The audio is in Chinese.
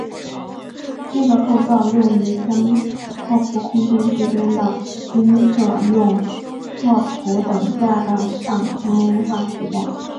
这个构造用于将拓扑空间之间的映射用拓扑等价的上纤维化取代。